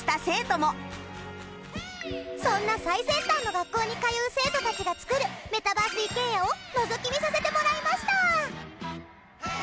そんな最先端の学校に通う生徒たちが作るメタバース一軒家をのぞき見させてもらいました！